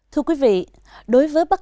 thưa quý vị